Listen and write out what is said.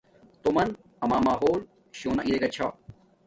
تومن اما ماحول شونا ارے گا چھا